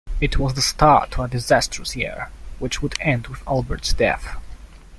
It was the start to a disastrous year, which would end with Albert's death.